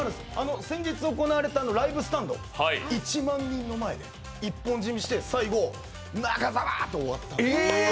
先月行われた「ライブスタンド」、１万人の前で一本締めして、最後「中澤ー！」で終わったんです。